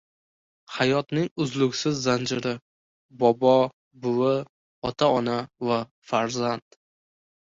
Hayotning uzluksiz zanjiri: bobo-buvi, ota-ona va farzand